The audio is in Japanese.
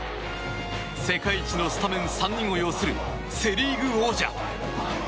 世界一のスタメン３人を擁するセ・リーグ王者。